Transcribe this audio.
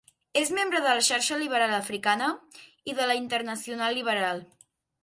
És membre de la Xarxa liberal africana i de la Internacional liberal.